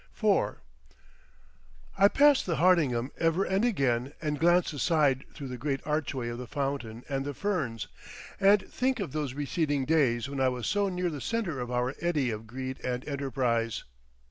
IV I pass the Hardingham ever and again and glance aside through the great archway at the fountain and the ferns, and think of those receding days when I was so near the centre of our eddy of greed and enterprise.